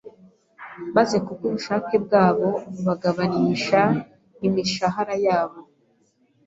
maze ku bw’ubushake bwabo bagabanisha imishahara yabo.